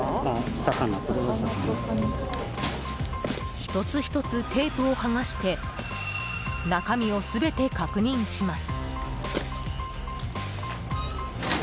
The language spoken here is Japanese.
一つひとつ、テープを剥がして中身を全て確認します。